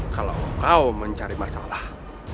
kalau kau mencari masalah